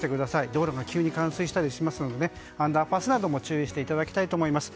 道路が急に冠水したりしますのでアンダーパスなども注意していただきたいと思います。